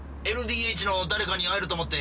ＬＤＨの誰かに会えると思って